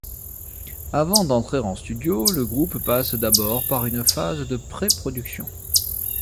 Avant d'entrer en studio, le groupe passe d'abord par une phase de préproduction.